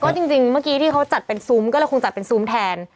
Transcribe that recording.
จริงเมื่อกี้ที่เขาจัดเป็นซุ้มก็เลยคงจัดเป็นซุ้มแทน